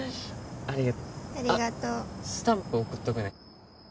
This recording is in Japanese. ありがとうありがとうスタンプ送っとくね